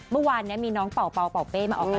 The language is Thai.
เมื่อวานเนี่ยมีน้องเป๋าเเป๋อเป๋อเป้มาออกกัน